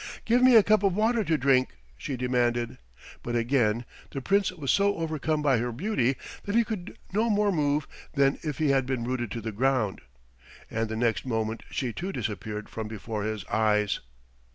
"Give me a cup of water to drink," she demanded. But again the Prince was so overcome by her beauty that he could no more move than if he had been rooted to the ground, and the next moment she too disappeared from before his eyes.